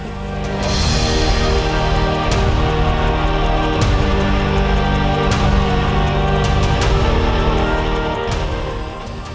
aku akan tetap menjadi istrimu